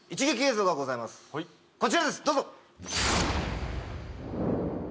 こちらですどうぞ！